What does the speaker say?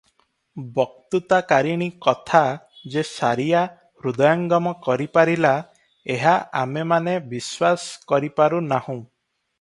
ବତ୍କୃତାକାରିଣୀ କଥା ଯେ ସାରିଆ ହୃଦୟଙ୍ଗମ କରିପାରିଲା, ଏହା ଆମେମାନେ ବିଶ୍ୱାସ କରିପାରୁ ନାହୁଁ ।